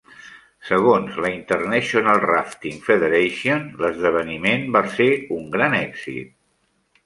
Segons la International Rafting Federation, l"esdeveniment va ser un gran èxit.